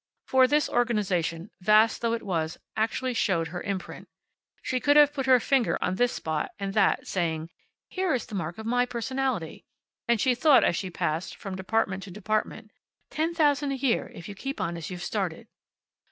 For, this organization, vast though it was, actually showed her imprint. She could have put her finger on this spot, and that, saying, "Here is the mark of my personality." And she thought, as she passed from department to department, "Ten thousand a year, if you keep on as you've started."